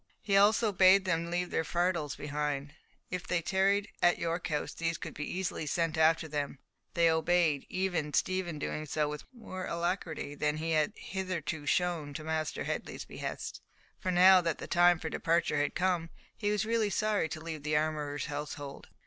He also bade them leave their fardels behind, as, if they tarried at York House, these could be easily sent after them. They obeyed—even Stephen doing so with more alacrity than he had hitherto shown to Master Headley's behests; for now that the time for departure had come, he was really sorry to leave the armourer's household.